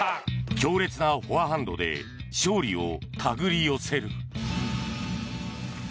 強烈なフォアハンドで勝利を手繰り寄せる。